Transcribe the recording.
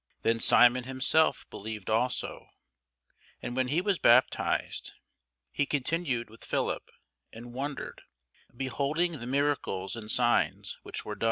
Then Simon himself believed also: and when he was baptized, he continued with Philip, and wondered, beholding the miracles and signs which were done.